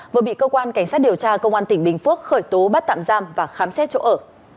vừa bị cơ quan cảnh sát điều tra công an tỉnh bình phước khởi tố bắt tạm giam và khám xét chỗ ở